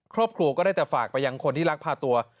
ครอบครัวก็ได้แต่ฝากไปยังคนที่รักพาตัว